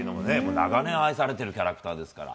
長年愛されてるキャラクターですから。